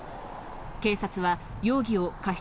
警察は容疑を過失